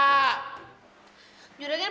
wah menarunganku kuliah